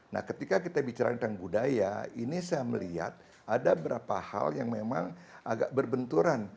nah ketika kita bicara tentang budaya ini saya melihat ada beberapa hal yang memang agak berbenturan